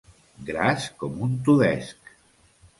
Gras com un tudesc.